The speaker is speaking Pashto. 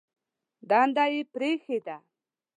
دنده یې پرېښې ده.